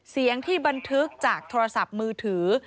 เสียงที่บันทึกจากโทรศัพท์มือถือ